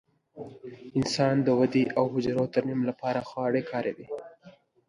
انسان د ودې او حجرو ترمیم لپاره خواړه کاروي.